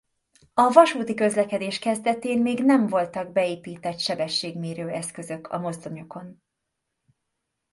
A vasúti közlekedés kezdetén még nem voltak beépített sebességmérő eszközök a mozdonyokon.